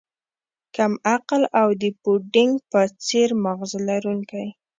کم عقل او د پوډینګ په څیر ماغزه لرونکی